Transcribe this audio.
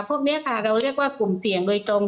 พวกนี้ค่ะเราเรียกว่ากลุ่มเสี่ยงโดยตรง